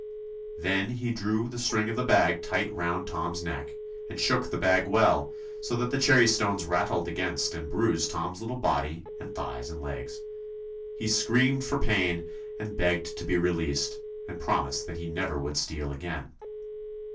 Then he drew the string of the bag tight round Tom's neck and shook the bag well, so that the cherrystones rattled against and bruised Tom's little body and thighs and legs. He screamed for pain, and begged to be released, and promised that he never would steal again.